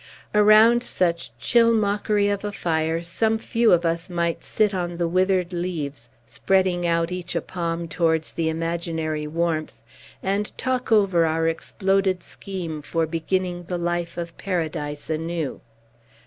Around such chill mockery of a fire some few of us might sit on the withered leaves, spreading out each a palm towards the imaginary warmth, and talk over our exploded scheme for beginning the life of Paradise anew.